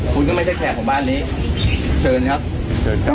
พ่อบ้านไงครับ